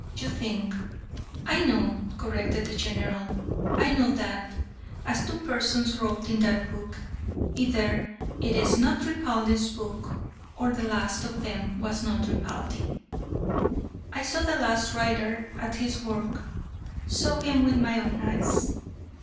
You think " "I know," corrected the General. "I know that, as two persons wrote in that book, either it is not Ripaldi's book, or the last of them was not Ripaldi. I saw the last writer at his work, saw him with my own eyes.